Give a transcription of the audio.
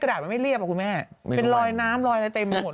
อ้าวเป็นหรือกลง